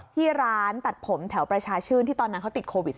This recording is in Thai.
ที่ร้านตัดผมแถวประชาชื่นที่ตอนนั้นเขาติดโควิด๑๙